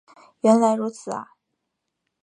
原来如此啊